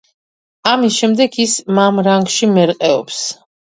ამის შემდეგ, ის ამ რანგში მერყეობს.